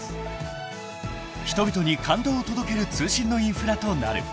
［人々に感動を届ける通信のインフラとなる］